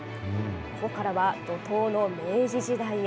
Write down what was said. ここからは怒とうの明治時代へ。